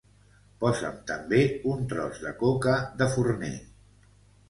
Posa'm també un tros de coca de forner